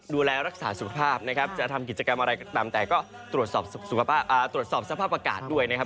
ดูแลรักษาการสุขภาพจะทำกิจกรรมอะไรก็ตรวจสอบสภาพประกาศนะครับ